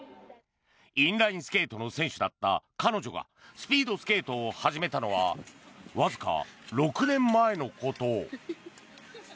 インラインスケートの選手だった彼女がスピードスケートを始めたのはわずか６年前のこと。